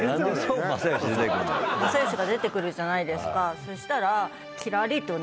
そしたら。